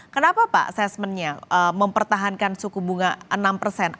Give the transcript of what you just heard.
kenapa pak asesmennya mempertahankan suku bunga ini